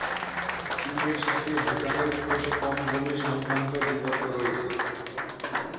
চীনের সাথে ভুটানের খুব কম জমি সংক্রান্ত বিতর্ক রয়েছে।